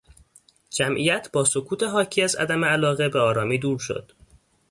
جمعیت با سکوت حاکی از عدم علاقه به آرامی دور شد.